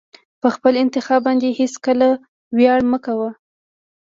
په خپل انتخاب باندې هېڅکله ویاړ مه کوه.